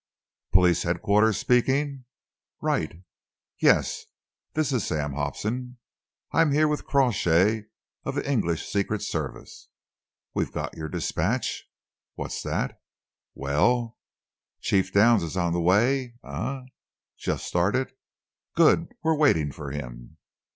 "Police headquarters speaking? Right! Yes, this is Sam Hobson. I'm here with Crawshay, of the English Secret Service. We got your dispatch. What's that? Well? Chief Downs is on the way, eh? Just started? Good! We're waiting for him."